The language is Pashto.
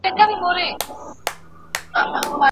تر یوه سیوري لاندي